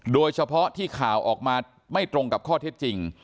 โดยเฉพาะที่ข่าวออกมาไม่ตรงกับข้อเท็จจริง